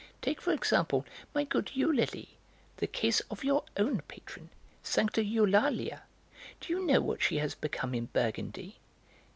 Take, for example, my good Eulalie, the case of your own patron, Sancta Eulalia; do you know what she has become in Burgundy?